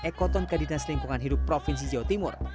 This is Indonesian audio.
ekoton kadinas lingkungan hidup provinsi jawa timur